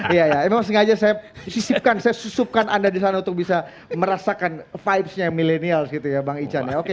iya ya emang sengaja saya sisipkan saya susupkan anda di sana untuk bisa merasakan vibesnya milenial gitu ya bang ican ya oke